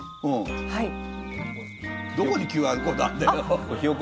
どこにＱＲコードあるんだよ。